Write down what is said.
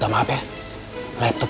suara ibu dari sekolah rumah ibu